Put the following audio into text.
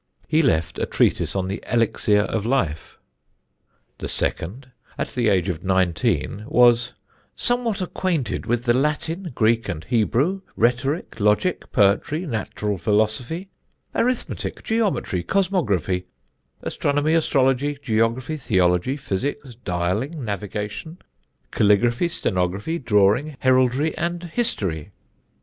He left a treatise on the Elixir of Life. The second, at the age of nineteen, was "somewhat acquainted with the Latin, Greek, and Hebrew, rhetoric, logic, poetry, natural philosophy, arithmetic, geometry, cosmography, astronomy, astrology, geography, theology, physics, dialling, navigation, caligraphy, stenography, drawing, heraldry and history."